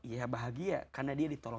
ya bahagia karena dia ditolong